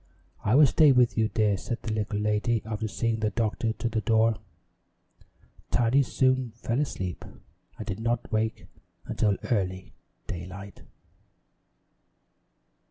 "I will stay with you, dear," said the little lady, after seeing the doctor to the door. Tiny soon fell asleep and did not wake until early daylight.